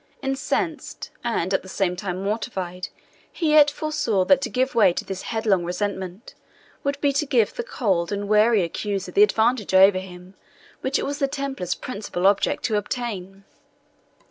Incensed, and at the same time mortified, he yet foresaw that to give way to his headlong resentment would be to give the cold and wary accuser the advantage over him which it was the Templar's principal object to obtain.